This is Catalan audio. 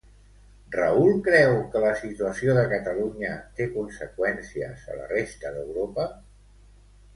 Raül creu que la situació de Catalunya té conseqüències a la resta d'Europa?